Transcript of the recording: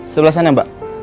sebelah sana mbak